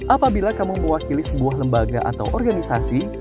apabila kamu mewakili sebuah lembaga atau organisasi